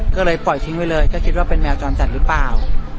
ก็เลยปล่อยทิ้งไว้เลยก็คิดว่าเป็นแมวจรจัดหรือเปล่า